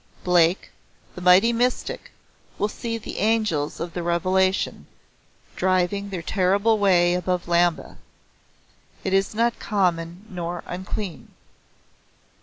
Blake, the mighty mystic, will see the Angels of the Revelation, driving their terrible way above Lambeth it is not common nor unclean.